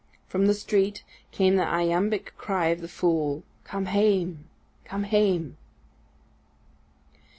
From the street came the iambic cry of the fool, _"Come hame, come hame."